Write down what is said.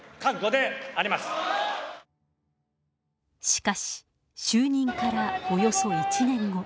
しかし、就任からおよそ１年後。